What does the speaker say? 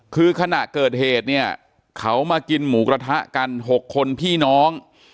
คือขณะเกิดเหตุเนี่ยเขามากินหมูกระทะกัน๖คนพี่น้อง